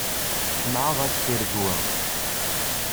Cemɛeɣ-ak tiregwa.